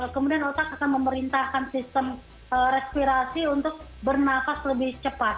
kemudian otak akan memerintahkan sistem respirasi untuk bernafas lebih cepat